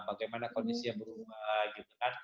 bagaimana kondisi yang berubah